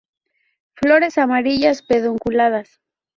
Flores amarillas pedunculadas.